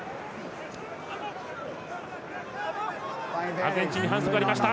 アルゼンチンに反則がありました。